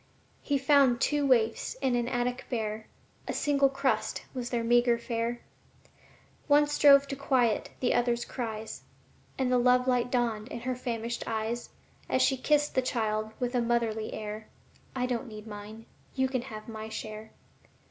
He found two waifs in an attic bare; A single crust was their meagre fare One strove to quiet the other's cries, And the love light dawned in her famished eyes As she kissed the child with a motherly air: "I don't need mine, you can have my share."